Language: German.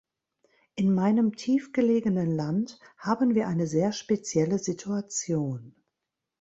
In meinem tiefgelegenen Land haben wir eine sehr spezielle Situation.